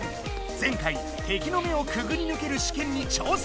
前回敵の目をくぐりぬける試験に挑戦！